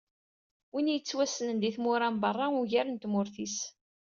Win i yettwassnen di tmura n berra ugar n tmurt-is.